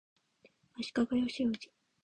足利尊氏